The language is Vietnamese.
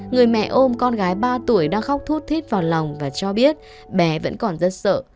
người mẹ ôm con gái ba tuổi đang khóc thuốc thít vào lòng và cho biết bé vẫn còn rất sợ